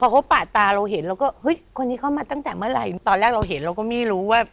ใครจะเข้ามาได้ยังไงนะ